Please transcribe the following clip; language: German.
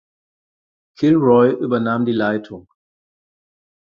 Kilroy übernahm die Leitung.